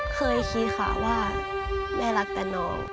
เคยคิดค่ะว่าแม่รักแต่น้อง